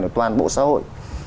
ở toàn bộ xã hội